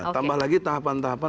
tambah lagi tahapan tahapan